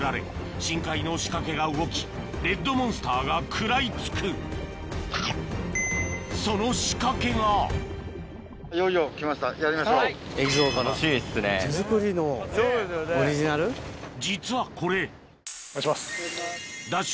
深海の仕掛けが動きレッドモンスターが食らいつくその仕掛けが実はこれＤＡＳＨ